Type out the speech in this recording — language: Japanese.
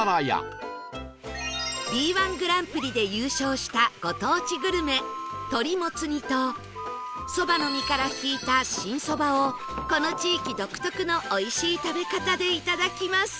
Ｂ−１ グランプリで優勝したご当地グルメ鳥もつ煮と蕎麦の実からひいた新そばをこの地域独特のおいしい食べ方でいただきます！